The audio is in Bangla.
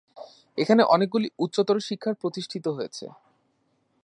এখানে অনেকগুলি উচ্চতর শিক্ষার প্রতিষ্ঠিত হয়েছে।